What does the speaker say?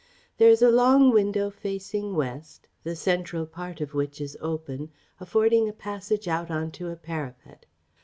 There is a long window facing west, the central part of which is open, affording a passage out on to a parapet.